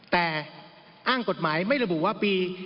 แต่อ้างกฎหมายไม่ระบุว่าปี๒๕